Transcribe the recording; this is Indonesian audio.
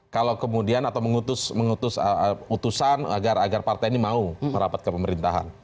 kalau kemudian atau mengutus utusan agar agar partai ini mau merapat ke pemerintahan